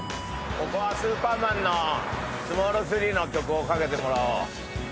ここは『Ｓｕｐｅｒｍａｎ』の『スモール３！』の曲をかけてもらおう。